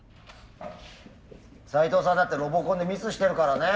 斎藤さんだってロボコンでミスしてるからね。